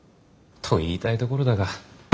と言いたいところだが。